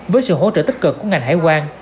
với sự hỗ trợ tích cực của ngành hải quan